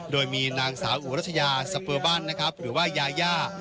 โดยมีนางสาวอุรัชยาสเปอร์บันนะครับหรือว่ายาย่า